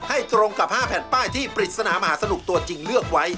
ตรงกับ๕แผ่นป้ายที่ปริศนามหาสนุกตัวจริงเลือกไว้